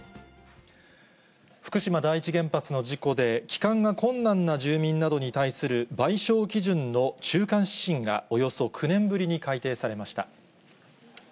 福島第一原発の事故で、帰還が困難な住民などに対する賠償基準の中間指針が、およそ９年ぶりに改訂されました。